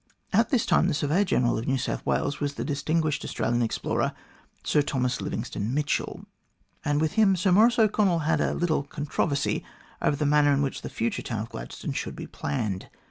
At this time the Surveyor General of New South Wales was the distinguished Australian explorer, Sir Thomas Livingstone Mitchell, and with him Sir Maurice O'Connell had a little controversy over the manner in which the future town of Gladstone should be planned.